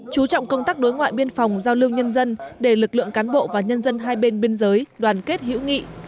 chú trọng công tác đối ngoại biên phòng giao lưu nhân dân để lực lượng cán bộ và nhân dân hai bên biên giới đoàn kết hữu nghị